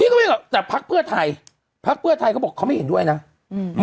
ก็ไม่หรอกแต่พักเพื่อไทยพักเพื่อไทยเขาบอกเขาไม่เห็นด้วยนะอืม